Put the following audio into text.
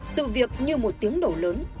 sự việc như một tiếng đổ lớn